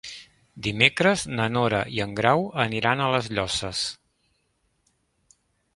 Dimecres na Nora i en Grau aniran a les Llosses.